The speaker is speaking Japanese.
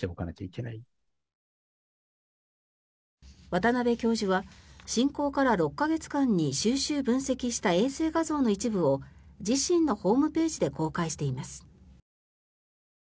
渡邉教授は侵攻から６か月間に収集・分析した衛星画像の一部を自身のホームページで公開しています。